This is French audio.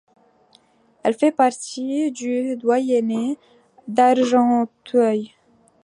Elle fait partie du doyenné d'Argenteuil.